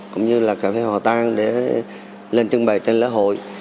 cũng như là cà phê hò tang để lên trưng bày trên lễ hội